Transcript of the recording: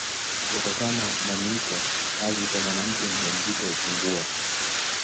Kutokana na miiko kazi kwa mwanamke mjamzito hupungua